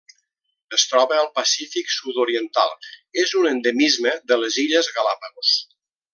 Es troba al Pacífic sud-oriental: és un endemisme de les illes Galápagos.